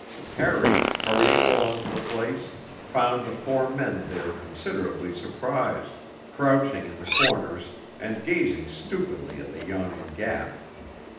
Harry, hurrying along to the place, found the four men there considerably surprised, crouching in the corners and gazing stupidly at the yawning gap.